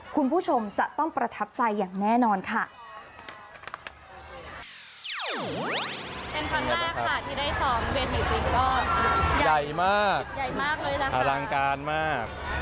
คุณผู้ชมจะต้องประทับใจอย่างแน่นอนค่ะ